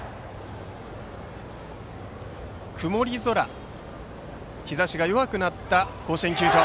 曇り空、日ざしが弱くなった甲子園球場。